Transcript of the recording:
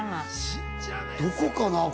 どこかなぁ？